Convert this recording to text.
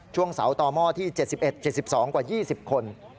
ช่วงเสาต่อหม้อที่๗๑๗๒กว่า๒๐คน